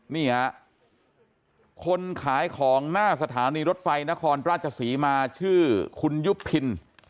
นี่ฮะคนขายของหน้าสถานีรถไฟนครราชศรีมาชื่อคุณยุพิน